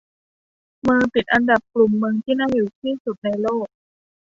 เมืองติดอันดับกลุ่มเมืองที่น่าอยู่ที่สุดในโลก